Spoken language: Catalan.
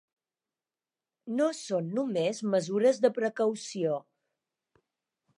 No són només mesures de precaució.